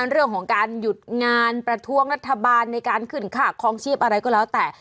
เรื่องของการหยุดงานประท้วงรัฐบาลในการขึ้นค่าคลองชีพอะไรก็แล้วแต่